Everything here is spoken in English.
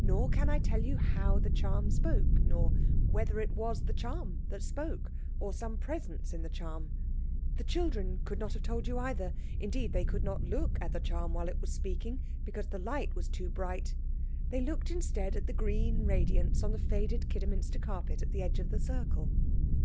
Nor can I tell you how the charm spoke, nor whether it was the charm that spoke, or some presence in the charm. The children could not have told you either. Indeed, they could not look at the charm while it was speaking, because the light was too bright. They looked instead at the green radiance on the faded Kidderminster carpet at the edge of the circle.